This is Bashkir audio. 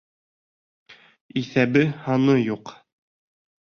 Иҫәбе-һаны юҡ.